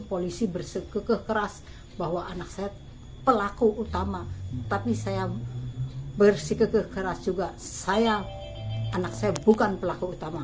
polisi bersika keras bahwa anak saya pelaku utama tapi saya bersika keras juga saya anak saya bukan pelaku utama